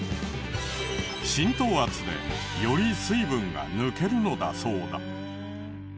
浸透圧でより水分が抜けるのだそうだ。